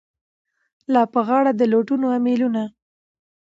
لا په غاړه د لوټونو امېلونه